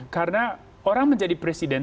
karena orang menjadi presiden